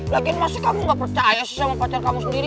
lagi masih kamu gak percaya sih sama pacar kamu sendiri